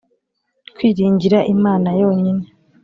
Kwiringira Imana yonyine